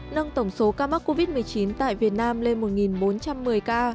nâng tổng số ca mắc covid một mươi chín tại việt nam lên một bốn trăm một mươi ca